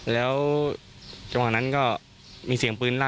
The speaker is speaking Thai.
แล้วช่วงนั้นนั้นก็มีเสียงปื้นรั่น